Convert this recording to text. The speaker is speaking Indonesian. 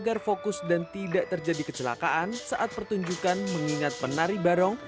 agar fokus dan tidak terjadi kecelakaan saat pertunjukan mengingat penari barong